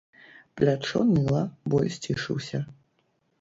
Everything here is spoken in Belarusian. Плячо ныла, боль сцішыўся.